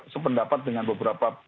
sependapat dengan beberapa